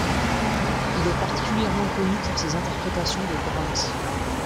Il est particulièrement connu pour ses interprétations de Brahms.